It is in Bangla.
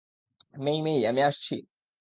মেই-মেই, আমি আসছি।